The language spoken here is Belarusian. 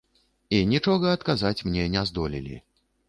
І нічога адказаць мне не здолелі.